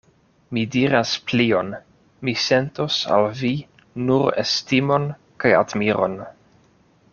Mi diras plion: mi sentos al vi nur estimon kaj admiron.